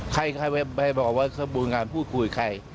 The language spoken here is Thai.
ใครใครไปบอกว่าบุญงานพูดคุยใคร